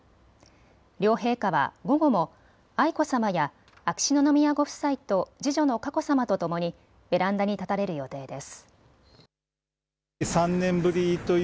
両陛下は午後も愛子さまや秋篠宮ご夫妻と次女の佳子さまとともにベランダに立たれる予定です。